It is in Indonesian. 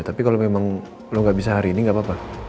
tapi kalau memang lo gak bisa hari ini nggak apa apa